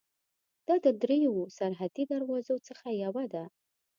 دا د درېیو سرحدي دروازو څخه یوه ده.